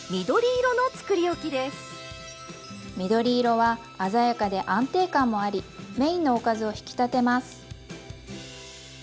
緑色は鮮やかで安定感もありメインのおかずを引き立てます。